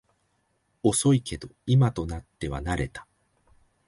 遅いけど今となっては慣れた